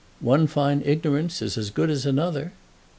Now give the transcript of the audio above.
One fine ignorance is as good as another."